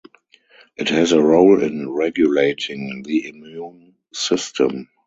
It has a role in regulating the immune system.